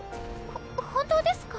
ほ本当ですか？